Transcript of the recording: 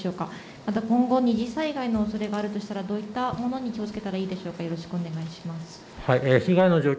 また今後、二次災害のおそれがあるとしたらどういったものに気をつけたらよろしいでしょうか。